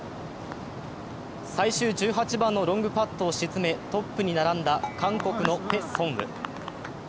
最終１８番のロングパットを沈め、トップに並んだ韓国のペ・ソンウ。